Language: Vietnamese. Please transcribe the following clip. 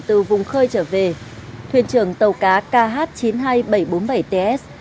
từ vùng khơi trở về thuyền trưởng tàu cá kh chín mươi hai nghìn bảy trăm bốn mươi bảy ts